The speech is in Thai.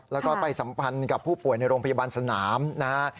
แล้วก็ไปสัมพันธ์กับผู้ป่วยในโรงพยาบาลสนามนะฮะ